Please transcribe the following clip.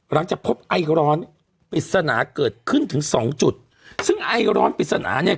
หลังจากพบไอร้อนปริศนาเกิดขึ้นถึงสองจุดซึ่งไอร้อนปริศนาเนี่ย